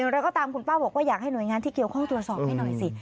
เราก็ตามคุณป้าบอกว่าอยากให้หน่วยงานที่เกี่ยวข้องตรวจสอบให้หน่อยสิ